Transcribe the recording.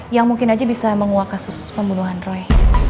yang mungkin aja bisa menguak kasus pembunuhan roy